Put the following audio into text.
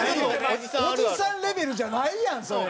オジさんレベルじゃないやんそれ。